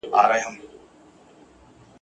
پر هر پانوس چي بوراګانو وو مقام نیولی ..